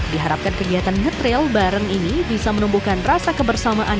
diharapkan kegiatan nge trail bareng ini bisa menumbuhkan rasa kebersamaan